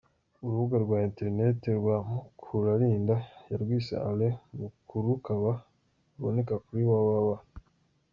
Urubuga rwa Internet rwa Mukuralinda yarwise Alain Muku rukaba ruboneka kuri www.